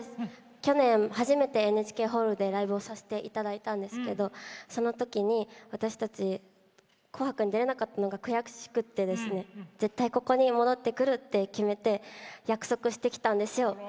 去年、初めてＮＨＫホールでライブをさせていただいたんですけどそのときに私たち紅白に出れなかったのが悔しくて絶対にここに戻ってくるって決めて約束してきたんですよ。